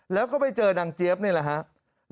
แล้วก็ไปเจอนางเจี๊ยบนี่แหละครับ